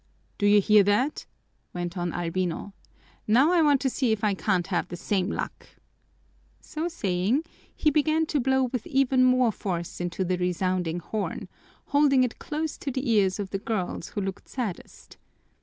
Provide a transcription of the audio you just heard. "Do you hear that?" went on Albino. "Now I want to see if I can't have the same luck." So saying, he began to blow with even more force into the resounding horn, holding it close to the ears of the girls who looked saddest.